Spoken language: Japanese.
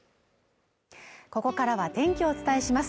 ここからは天気をお伝えします